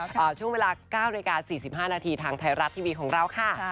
ต่อช่วงเวลา๙นาฬิกา๔๕นาทีทางไทยรัฐทีวีของเราค่ะ